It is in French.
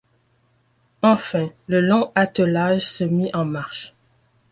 Enfin, le long attelage se mit en marche.